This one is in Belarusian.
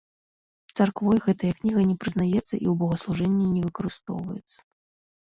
Царквой гэтая кніга не прызнаецца і ў богаслужэнні не выкарыстоўваецца.